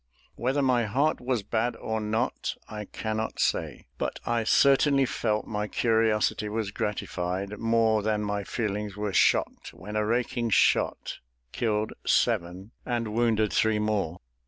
Whether my heart was bad or not, I cannot say; but I certainly felt my curiosity was gratified more than my feelings were shocked when a raking shot killed seven and wounded three more.